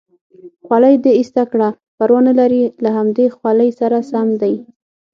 خولۍ دې ایسته کړه، پروا نه لري له همدې خولۍ سره سم دی.